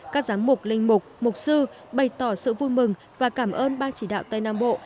các giám mục linh mục mục sư bày tỏ sự vui mừng và cảm ơn ban chỉ đạo tây nam bộ